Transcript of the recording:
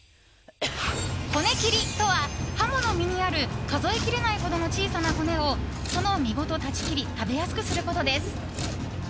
骨切りとは、ハモの身にある数えきれないほどの小さな骨をその身ごと断ち切り食べやすくすることです。